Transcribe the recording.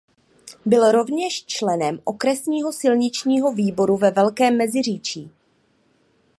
Byl rovněž členem okresního silničního výboru ve Velkém Meziříčí.